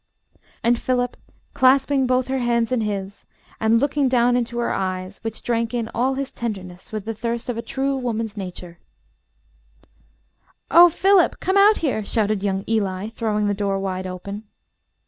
And Philip clasping both her hands in his, and looking down into her eyes, which drank in all his tenderness with the thirst of a true woman's nature "Oh! Philip, come out here," shouted young Eli, throwing the door wide open.